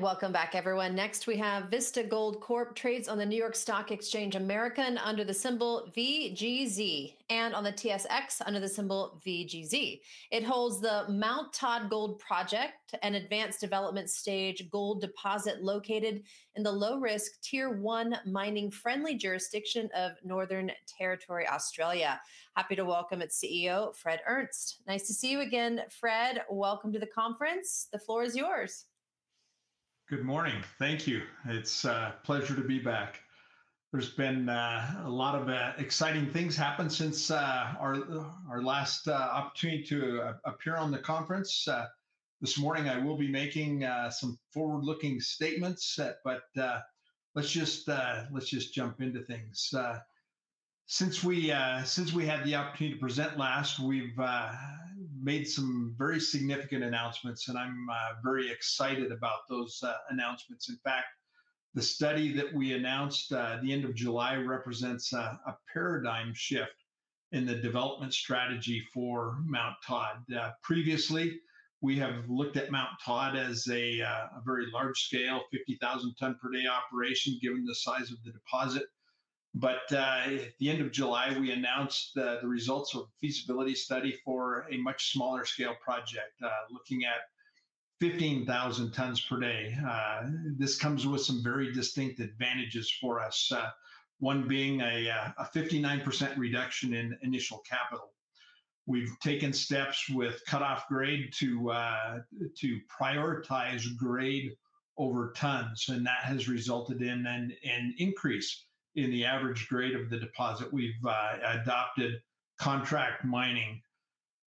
Welcome back, everyone. Next, we have Vista Gold Corp., which trades on the New York Stock Exchange American under the symbol VGZ and on the TSX under the symbol VGZ. It holds the Mt Todd gold project, an advanced development stage gold deposit located in the low-risk, tier-one, mining-friendly jurisdiction of Northern Territory, Australia. Happy to welcome its CEO, Fred Earnest. Nice to see you again, Fred. Welcome to the conference. The floor is yours. Good morning. Thank you. It's a pleasure to be back. There's been a lot of exciting things happening since our last opportunity to appear on the conference. This morning, I will be making some forward-looking statements, but let's just jump into things. Since we had the opportunity to present last, we've made some very significant announcements, and I'm very excited about those announcements. In fact, the study that we announced at the end of July represents a paradigm shift in the development strategy for the Mt Todd. Previously, we have looked at Mt Todd as a very large-scale, 50,000-ton-per-day operation, given the size of the deposit. At the end of July, we announced the results of a feasibility study for a much smaller-scale project, looking at 15,000 tons per day. This comes with some very distinct advantages for us, one being a 59% reduction in initial capital. We've taken steps with cutoff grade to prioritize grade over tons, and that has resulted in an increase in the average grade of the deposit. We've adopted contract mining.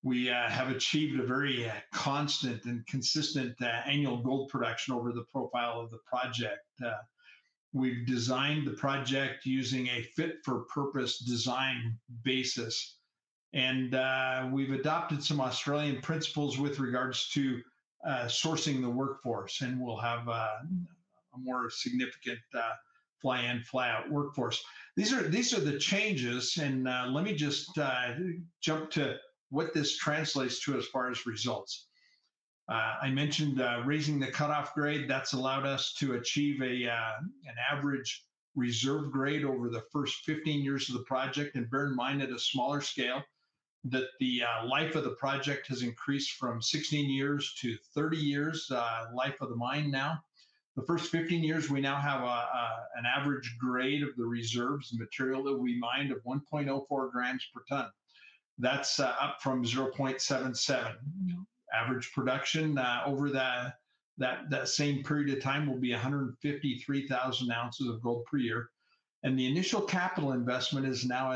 We have achieved a very constant and consistent annual gold production over the profile of the project. We've designed the project using a fit-for-purpose design basis, and we've adopted some Australian principles with regards to sourcing the workforce, and we'll have a more significant fly-in, fly-out workforce. These are the changes, and let me just jump to what this translates to as far as results. I mentioned raising the cutoff grade. That's allowed us to achieve an average reserve grade over the first 15 years of the project. Bear in mind, at a smaller scale, that the life of the project has increased from 16 years to 30 years' life of the mine now. The first 15 years, we now have an average grade of the reserves and material that we mined of 1.04 g/t. That's up from 0.77 g/t. Average production over that same period of time will be 153,000 oz of gold per year, and the initial capital investment is now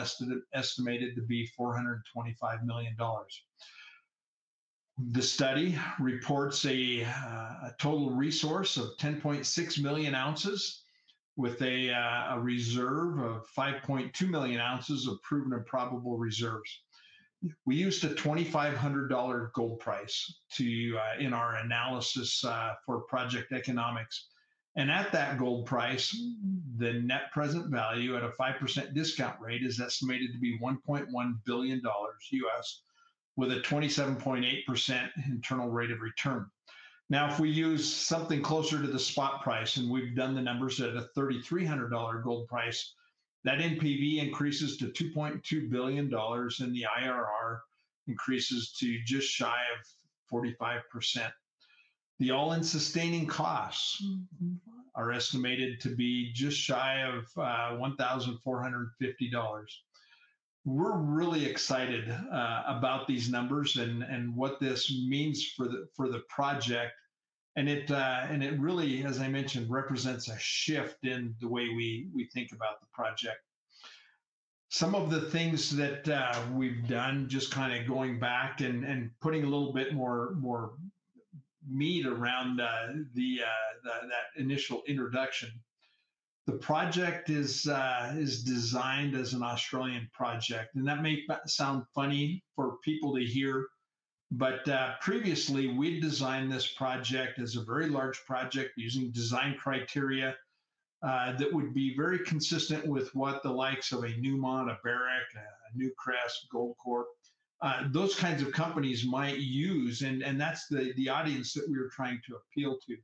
estimated to be $425 million. The study reports a total resource of 10.6 million oz, with a reserve of 5.2 million oz of proven and probable reserves. We used a $2,500 gold price in our analysis for project economics, and at that gold price, the net present value at a 5% discount rate is estimated to be $1.1 billion US, with a 27.8% internal rate of return. Now, if we use something closer to the spot price, and we've done the numbers at a $3,300 gold price, that NPV increases to $2.2 billion, and the IRR increases to just shy of 45%. The all-in sustaining costs are estimated to be just shy of $1,450. We're really excited about these numbers and what this means for the project, and it really, as I mentioned, represents a shift in the way we think about the project. Some of the things that we've done, just kind of going back and putting a little bit more meat around that initial introduction, the project is designed as an Australian project. That may sound funny for people to hear, but previously, we'd designed this project as a very large project using design criteria that would be very consistent with what the likes of a Newmont, a Barrick, a Newcrest, a Goldcorp., those kinds of companies might use, and that's the audience that we were trying to appeal to.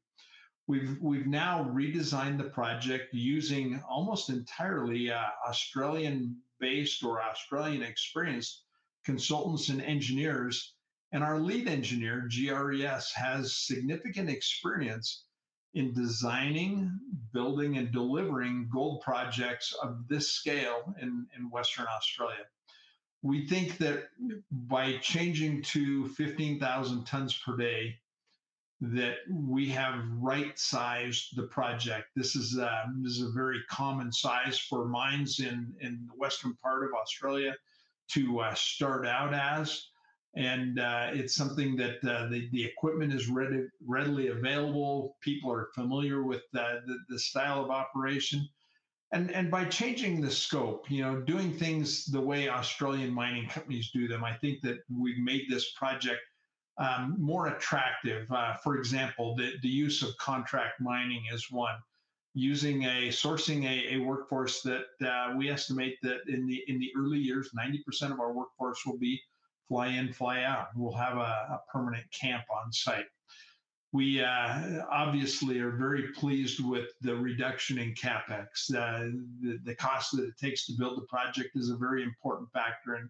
We've now redesigned the project using almost entirely Australian-based or Australian-experienced consultants and engineers, and our lead engineer, GR ES, has significant experience in designing, building, and delivering gold projects of this scale in Western Australia. We think that by changing to 15,000 tons per day, that we have right-sized the project. This is a very common size for mines in the western part of Australia to start out as, and it's something that the equipment is readily available. People are familiar with the style of operation. By changing the scope, you know, doing things the way Australian mining companies do them, I think that we've made this project more attractive. For example, the use of contract mining is one. Using a sourcing workforce that we estimate that in the early years, 90% of our workforce will be fly-in, fly-out. We'll have a permanent camp on site. We obviously are very pleased with the reduction in CapEx. The cost that it takes to build the project is a very important factor, and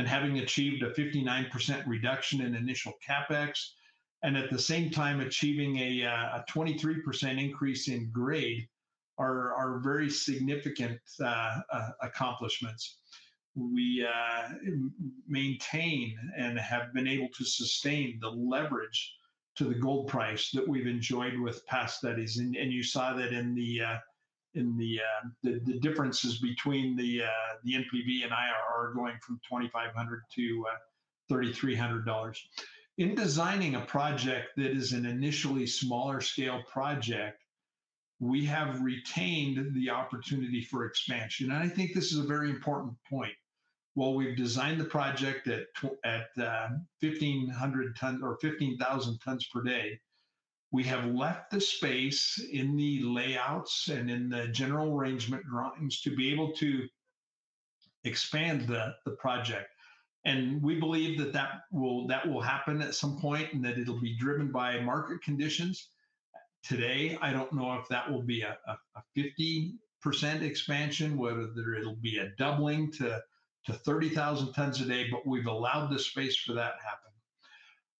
having achieved a 59% reduction in initial CapEx, and at the same time achieving a 23% increase in grade, are very significant accomplishments. We maintain and have been able to sustain the leverage to the gold price that we've enjoyed with past studies, and you saw that in the differences between the NPV and IRR going from $2,500 to $3,300. In designing a project that is an initially smaller-scale project, we have retained the opportunity for expansion, and I think this is a very important point. While we've designed the project at 15,000 tons per day, we have left the space in the layouts and in the general arrangement drawings to be able to expand the project, and we believe that that will happen at some point and that it'll be driven by market conditions. Today, I don't know if that will be a 50% expansion, whether it'll be a doubling to 30,000 tons a day, but we've allowed the space for that to happen.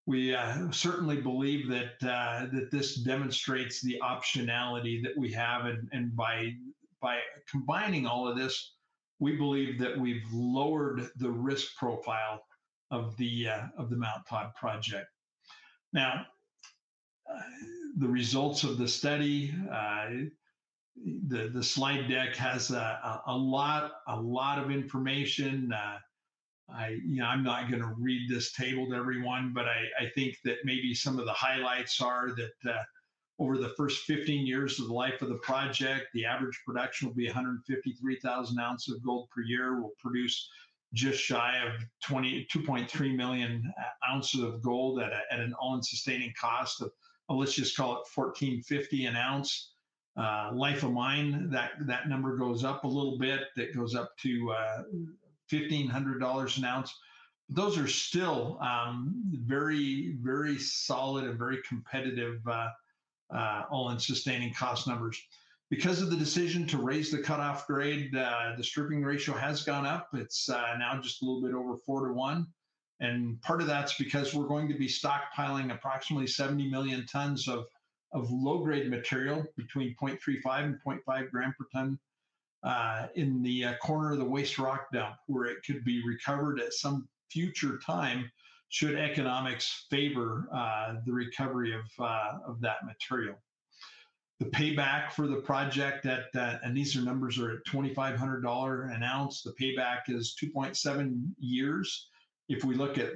We certainly believe that this demonstrates the optionality that we have, and by combining all of this, we believe that we've lowered the risk profile of the Mt Todd project. Now, the results of the study, the slide deck has a lot of information. I'm not going to read this table to everyone, but I think that maybe some of the highlights are that over the first 15 years of the life of the project, the average production will be 153,000 oz of gold per year. We'll produce just shy of 2.3 million oz of gold at an all-in sustaining cost of, let's just call it $1,450 an ounce. Life of mine, that number goes up a little bit. That goes up to $1,500 an ounce. Those are still very, very solid and very competitive all-in sustaining cost numbers. Because of the decision to raise the cutoff grade, the stripping ratio has gone up. It's now just a little bit over four to one, and part of that's because we're going to be stockpiling approximately 70 million tons of low-grade material between 0.35 g/t and 0.5 g/t in the corner of the waste rock dump, where it could be recovered at some future time should economics favor the recovery of that material. The payback for the project, and these numbers are at $2,500 an ounce, the payback is 2.7 years. If we look at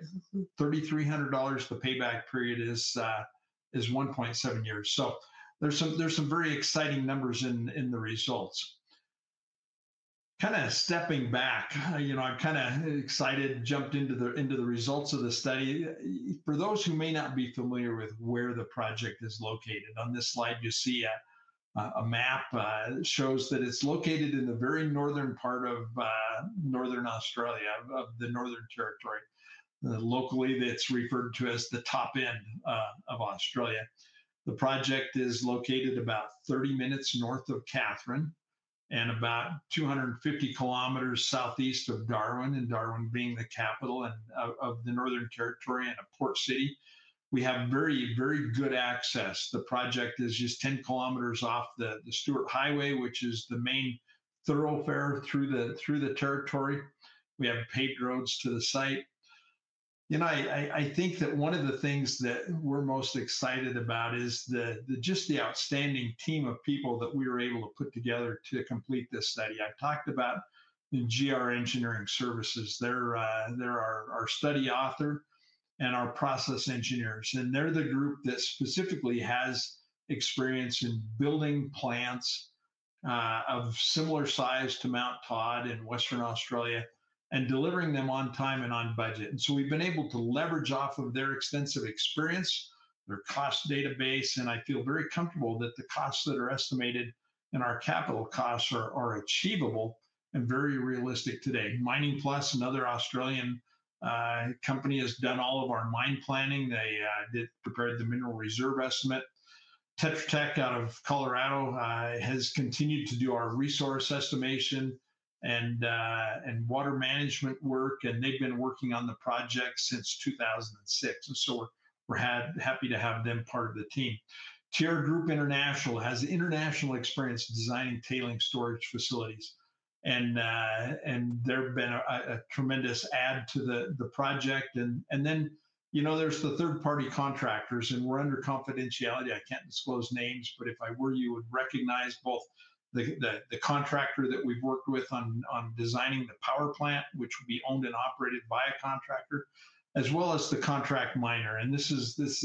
$3,300, the payback period is 1.7 years. There are some very exciting numbers in the results. Kind of stepping back, I'm kind of excited, jumped into the results of the study. For those who may not be familiar with where the project is located, on this slide, you see a map that shows that it's located in the very northern part of Northern Australia, of the Northern Territory. Locally referred to as the top end of Australia. The project is located about 30 minutes north of Katherine and about 250 km southeast of Darwin, and Darwin being the capital of the Northern Territory and port city. We have very, very good access. The project is just 10 km off the Stuart Highway, which is the main thoroughfare through the territory. We have paved roads to the site. I think that one of the things that we're most excited about is just the outstanding team of people that we were able to put together to complete this study. I talked about GR Engineering Services. They're our study author and our process engineers, and they're the group that specifically has experience in building plants of similar size to Mt Todd in Western Australia and delivering them on time and on budget. We've been able to leverage off of their extensive experience, their cost database, and I feel very comfortable that the costs that are estimated and our capital costs are achievable and very realistic today. Mining Plus, another Australian company, has done all of our mine planning. They prepared the mineral reserve estimate. [TEF Tech] out of Colorado has continued to do our resource estimation and water management work, and they've been working on the project since 2006. We're happy to have them part of the team. TR Group International has international experience designing tailing storage facilities, and they've been a tremendous add to the project. There are third-party contractors, and we're under confidentiality. I can't disclose names, but if I were, you would recognize both the contractor that we've worked with on designing the power plant, which would be owned and operated by a contractor, as well as the contract miner. These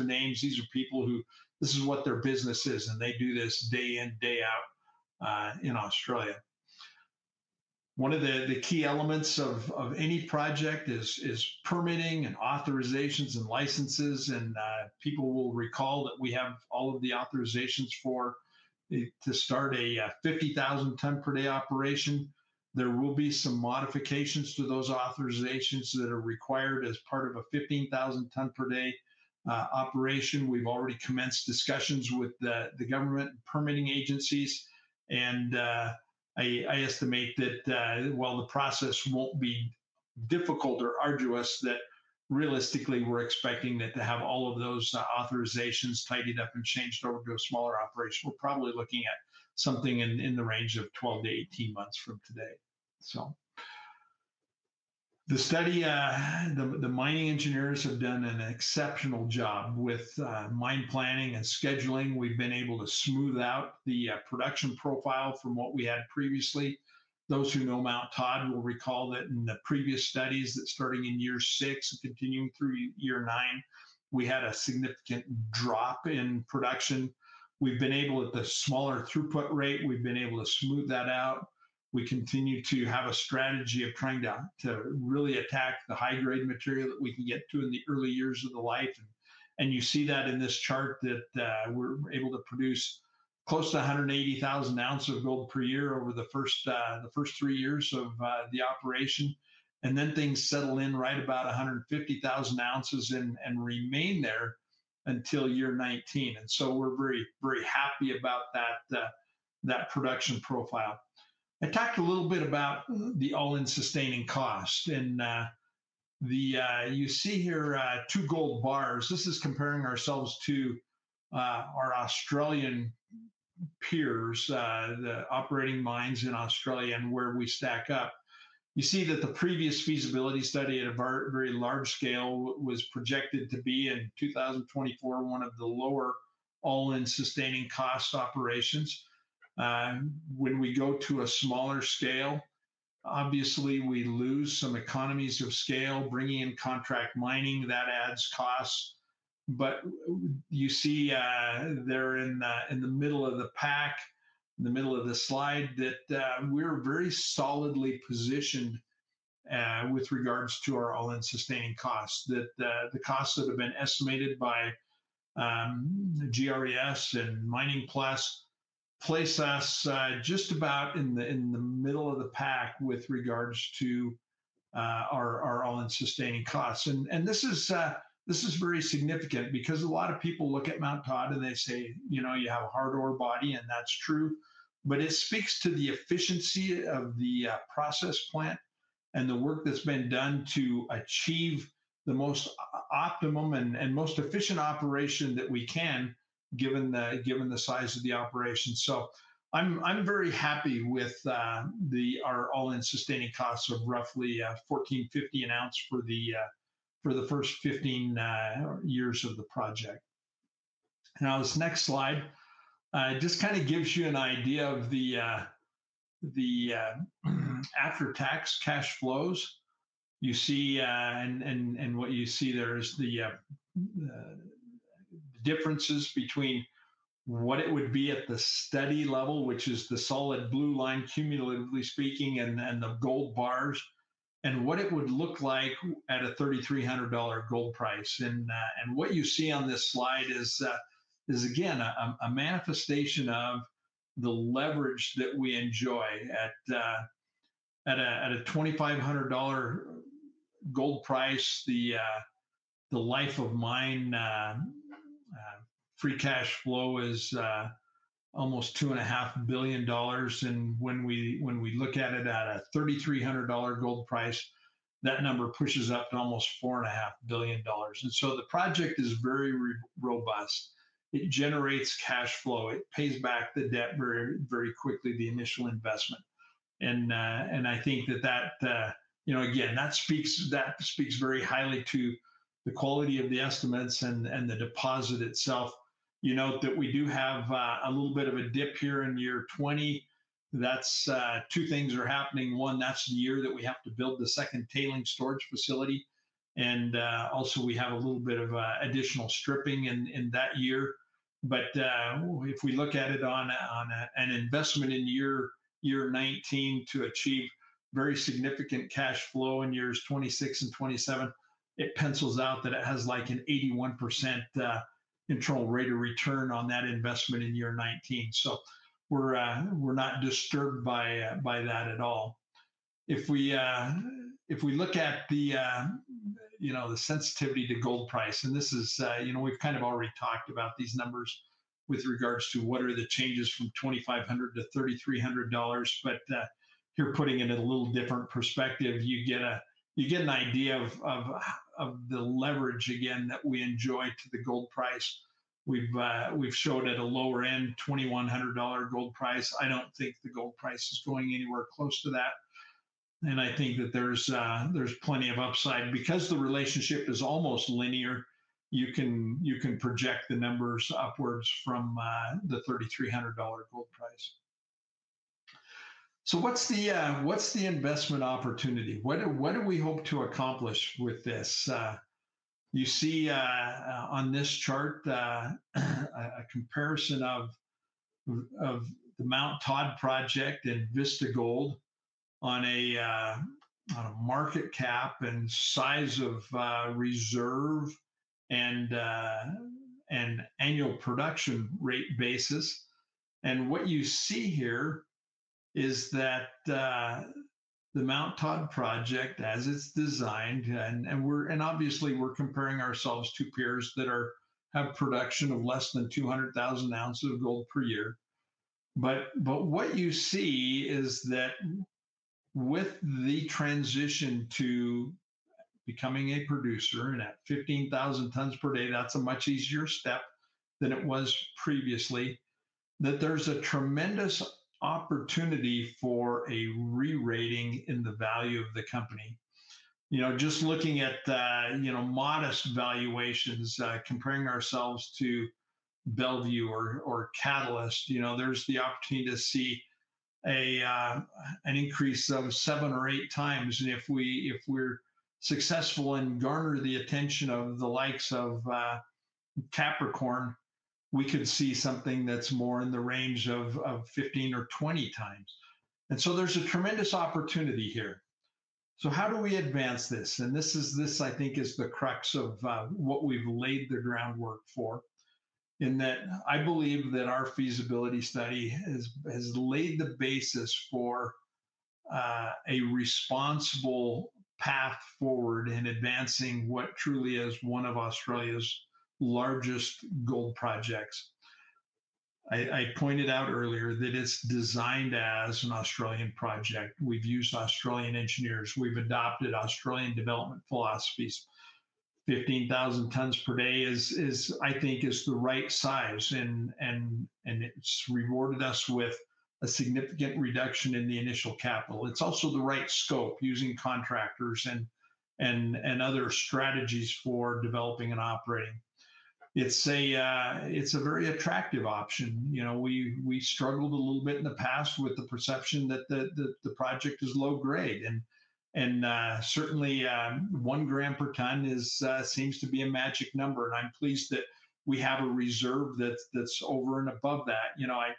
are names. These are people who this is what their business is, and they do this day in, day out in Australia. One of the key elements of any project is permitting and authorizations and licenses, and people will recall that we have all of the authorizations to start a 50,000-ton-per-day operation. There will be some modifications to those authorizations that are required as part of a 15,000-ton-per-day operation. We've already commenced discussions with the government and permitting agencies, and I estimate that while the process won't be difficult or arduous, realistically we're expecting to have all of those authorizations tidied up and changed over to a smaller operation. We're probably looking at something in the range of 12-18 months from today. The mining engineers have done an exceptional job with mine planning and scheduling. We've been able to smooth out the production profile from what we had previously. Those who know Mt Todd will recall that in the previous studies that starting in year six and continuing through year nine, we had a significant drop in production. We've been able at the smaller throughput rate, we've been able to smooth that out. We continue to have a strategy of trying to really attack the high-grade material that we can get to in the early years of the life. You see that in this chart that we're able to produce close to 180,000 oz of gold per year over the first three years of the operation, and then things settle in right about 150,000 oz and remain there until Year 19. We are very, very happy about that production profile. I talked a little bit about the all-in sustaining cost, and you see here two gold bars. This is comparing ourselves to our Australian peers, the operating mines in Australia and where we stack up. You see that the previous feasibility study at a very large scale was projected to be in 2024 one of the lower all-in sustaining cost operations. When we go to a smaller scale, obviously we lose some economies of scale, bringing in contract mining. That adds costs. You see there in the middle of the pack, in the middle of the slide, that we're very solidly positioned with regards to our all-in sustaining costs, that the costs that have been estimated by GR ES and Mining Plus place us just about in the middle of the pack with regards to our all-in sustaining costs. This is very significant because a lot of people look at Mt Todd and they say, you know, you have a hard ore body, and that's true, but it speaks to the efficiency of the process plant and the work that's been done to achieve the most optimum and most efficient operation that we can, given the size of the operation. I'm very happy with our all-in sustaining costs of roughly $1,450 an ounce for the first 15 years of the project. Now, this next slide just kind of gives you an idea of the after-tax cash flows. You see, and what you see there is the differences between what it would be at the study level, which is the solid blue line, cumulatively speaking, and the gold bars, and what it would look like at a $3,300 gold price. What you see on this slide is, again, a manifestation of the leverage that we enjoy. At a $2,500 gold price, the life of mine free cash flow is almost $2.5 billion, and when we look at it at a $3,300 gold price, that number pushes up to almost $4.5 billion. The project is very robust. It generates cash flow. It pays back the debt very quickly, the initial investment. I think that that, you know, again, speaks very highly to the quality of the estimates and the deposit itself. You note that we do have a little bit of a dip here in Year 20. That's two things that are happening. One, that's the year that we have to build the second tailing storage facility, and also we have a little bit of additional stripping in that year. If we look at it on an investment in Year 19 to achieve very significant cash flow in Year 26 and Year 27, it pencils out that it has like an 81% internal rate of return on that investment in Year 19. We're not disturbed by that at all. If we look at the sensitivity to gold price, and this is, you know, we've kind of already talked about these numbers with regards to what are the changes from $2,500 to $3,300, but you're putting it in a little different perspective. You get an idea of the leverage, again, that we enjoy to the gold price. We've showed at a lower end, $2,100 gold price. I don't think the gold price is going anywhere close to that, and I think that there's plenty of upside. Because the relationship is almost linear, you can project the numbers upwards from the $3,300 gold price. What's the investment opportunity? What do we hope to accomplish with this? You see on this chart a comparison of the Mt Todd project and Vista Gold on a market cap and size of reserve and annual production rate basis. What you see here is that the Mt Todd project, as it's designed, and obviously we're comparing ourselves to peers that have production of less than 200,000 oz of gold per year. What you see is that with the transition to becoming a producer and at 15,000 tons per day, that's a much easier step than it was previously, that there's a tremendous opportunity for a re-rating in the value of the company. Just looking at modest valuations, comparing ourselves to Bellevue or Catalyst, there's the opportunity to see an increase of 7x or 8x. If we're successful and garner the attention of the likes of Capricorn, we could see something that's more in the range of 15x or 20x. There's a tremendous opportunity here. How do we advance this? This, I think, is the crux of what we've laid the groundwork for, in that I believe that our feasibility study has laid the basis for a responsible path forward in advancing what truly is one of Australia's largest gold projects. I pointed out earlier that it's designed as an Australian project. We've used Australian engineers. We've adopted Australian development philosophies. 15,000 tons per day is, I think, the right size, and it's rewarded us with a significant reduction in the initial capital. It's also the right scope, using contractors and other strategies for developing and operating. It's a very attractive option. We struggled a little bit in the past with the perception that the project is low grade, and certainly one gram per ton seems to be a magic number, and I'm pleased that we have a reserve that's over and above that.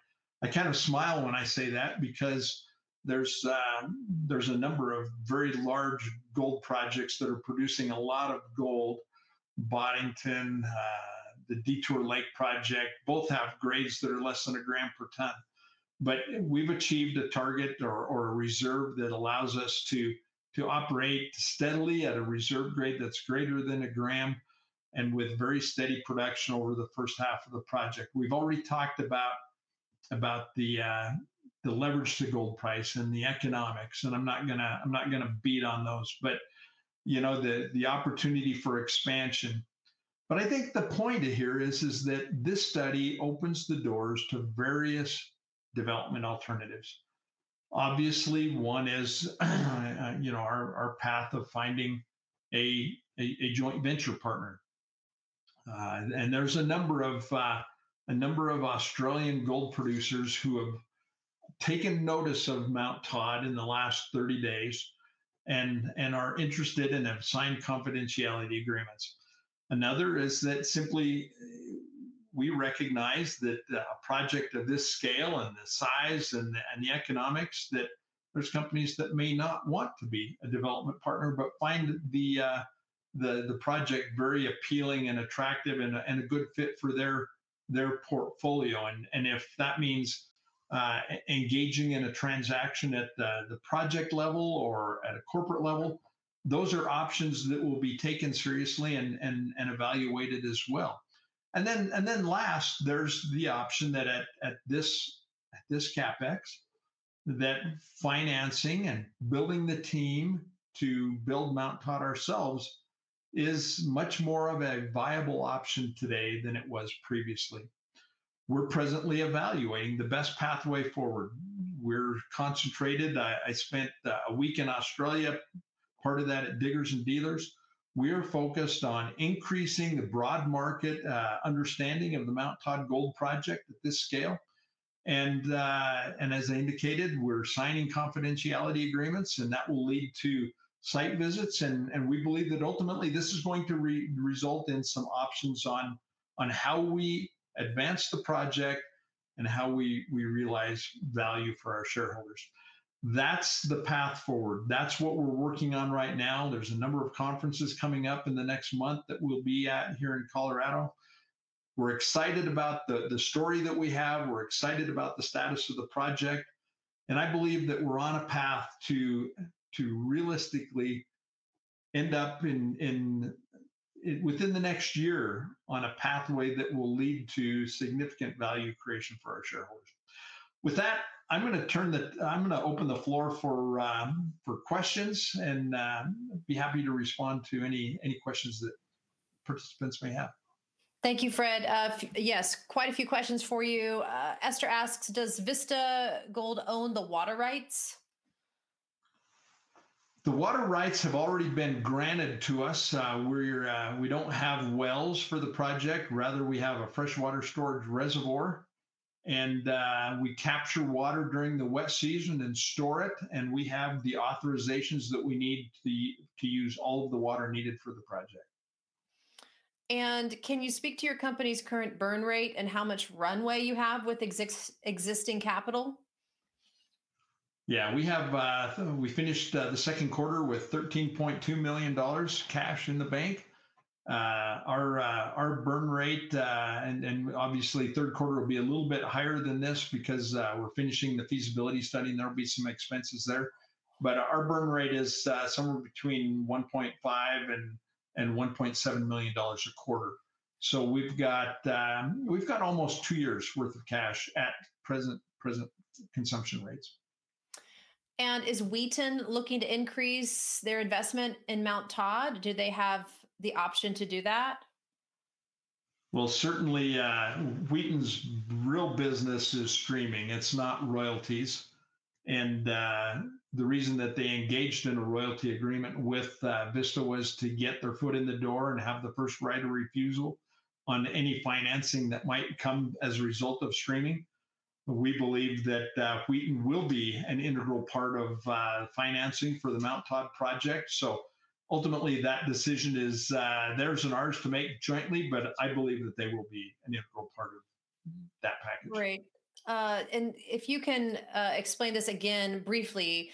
I kind of smile when I say that because there's a number of very large gold projects that are producing a lot of gold. Boddington, the Detour Lake project, both have grades that are less than a gram per ton. We've achieved a target or a reserve that allows us to operate steadily at a reserve grade that's greater than a gram and with very steady production over the first half of the project. We've already talked about the leverage to gold price and the economics, and I'm not going to beat on those, the opportunity for expansion. I think the point here is that this study opens the doors to various development alternatives. Obviously, one is our path of finding a joint venture partner. There are a number of Australian gold producers who have taken notice of the Mt Todd in the last 30 days and are interested and have signed confidentiality agreements. Another is that we recognize that a project of this scale and the size and the economics, there are companies that may not want to be a development partner but find the project very appealing and attractive and a good fit for their portfolio. If that means engaging in a transaction at the project level or at a corporate level, those are options that will be taken seriously and evaluated as well. Last, there's the option that at this CapEx, financing and building the team to build Mt Todd ourselves is much more of a viable option today than it was previously. We're presently evaluating the best pathway forward. We're concentrated. I spent a week in Australia, part of that at Diggers and Dealers. We are focused on increasing the broad market understanding of the Mt Todd gold project at this scale. As I indicated, we're signing confidentiality agreements, and that will lead to site visits. We believe that ultimately this is going to result in some options on how we advance the project and how we realize value for our shareholders. That's the path forward. That's what we're working on right now. There are a number of conferences coming up in the next month that we'll be at here in Colorado. We're excited about the story that we have. We're excited about the status of the project. I believe that we're on a path to realistically end up within the next year on a pathway that will lead to significant value creation for our shareholders. With that, I'm going to open the floor for questions and be happy to respond to any questions that participants may have. Thank you, Fred. Yes, quite a few questions for you. [Esther] asks, does Vista Gold own the water rights? The water rights have already been granted to us. We don't have wells for the project. Rather, we have a freshwater storage reservoir, and we capture water during the wet season and store it, and we have the authorizations that we need to use all of the water needed for the project. Can you speak to your company's current burn rate and how much runway you have with existing capital? Yeah, we finished the second quarter with $13.2 million cash in the bank. Our burn rate, and obviously third quarter will be a little bit higher than this because we're finishing the feasibility study and there will be some expenses there, is somewhere between $1.5 million and $1.7 million a quarter. We've got almost two years' worth of cash at present consumption rates. Is Wheaton looking to increase their investment in Mt Todd? Do they have the option to do that? Wheaton's real business is streaming, not royalties. The reason that they engaged in a royalty agreement with Vista was to get their foot in the door and have the first right of refusal on any financing that might come as a result of streaming. We believe that Wheaton will be an integral part of financing for the Mt Todd project. Ultimately, that decision is theirs and ours to make jointly, but I believe that they will be an integral part of that package. Great. If you can explain this again briefly,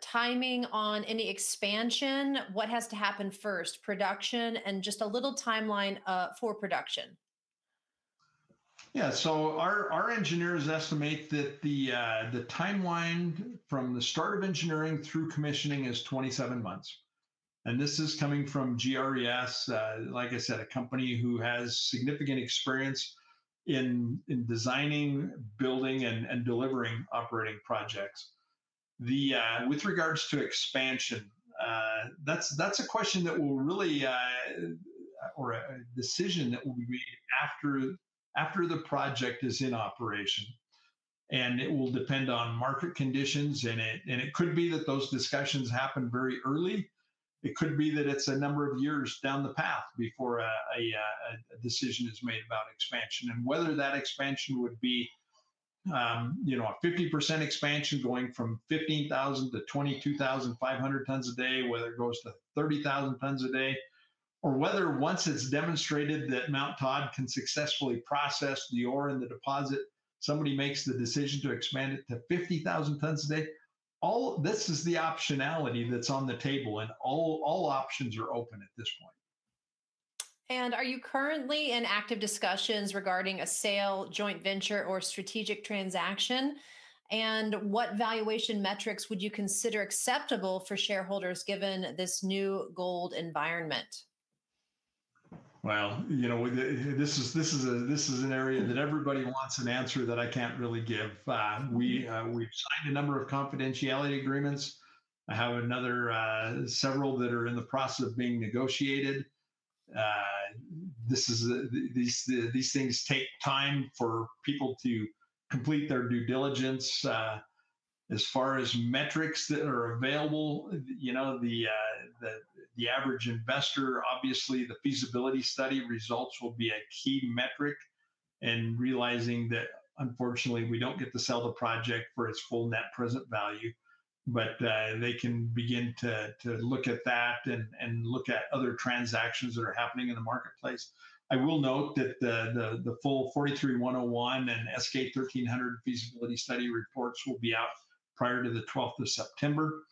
timing on any expansion, what has to happen first, production, and just a little timeline for production? Our engineers estimate that the timeline from the start of engineering through commissioning is 27 months. This is coming from GR ES, like I said, a company who has significant experience in designing, building, and delivering operating projects. With regards to expansion, that's a question that will really, or a decision that will be made after the project is in operation, and it will depend on market conditions. It could be that those discussions happen very early. It could be that it's a number of years down the path before a decision is made about expansion. Whether that expansion would be, you know, a 50% expansion going from 15,000 to 22,500 tons a day, whether it goes to 30,000 tons a day, or whether once it's demonstrated that Mt Todd can successfully process the ore and the deposit, somebody makes the decision to expand it to 50,000 tons a day. This is the optionality that's on the table, and all options are open at this point. Are you currently in active discussions regarding a sale, joint venture, or strategic transaction? What valuation metrics would you consider acceptable for shareholders given this new gold environment? This is an area that everybody wants an answer that I can't really give. We signed a number of confidentiality agreements. I have another several that are in the process of being negotiated. These things take time for people to complete their due diligence. As far as metrics that are available, the average investor, obviously the feasibility study results will be a key metric in realizing that unfortunately we don't get to sell the project for its full net present value, but they can begin to look at that and look at other transactions that are happening in the marketplace. I will note that the full 43-101 and S-K 1300 feasibility study reports will be out prior to the 12th of September,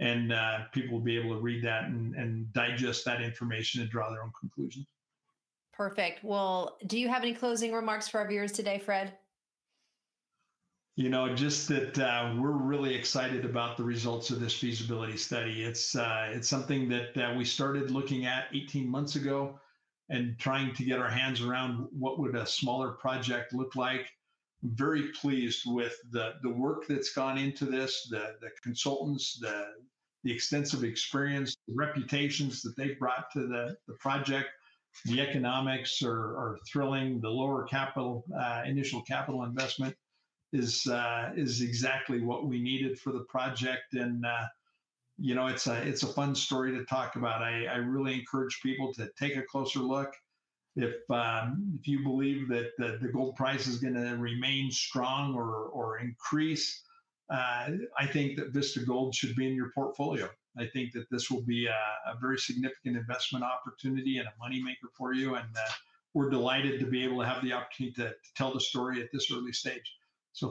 and people will be able to read that and digest that information and draw their own conclusions. Perfect. Do you have any closing remarks for our viewers today, Fred? We're really excited about the results of this feasibility study. It's something that we started looking at 18 months ago and trying to get our hands around what would a smaller project look like. Very pleased with the work that's gone into this, the consultants, the extensive experience, the reputations that they've brought to the project. The economics are thrilling. The lower initial capital investment is exactly what we needed for the project. It's a fun story to talk about. I really encourage people to take a closer look. If you believe that the gold price is going to remain strong or increase, I think that Vista Gold should be in your portfolio. I think that this will be a very significant investment opportunity and a moneymaker for you, and we're delighted to be able to have the opportunity to tell the story at this early stage.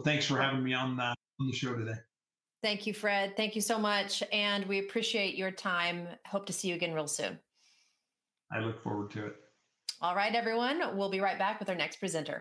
Thanks for having me on the show today. Thank you, Fred. Thank you so much, and we appreciate your time. Hope to see you again real soon. I look forward to it. All right, everyone. We'll be right back with our next presenter.